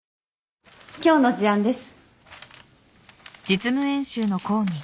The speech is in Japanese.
今日の事案です。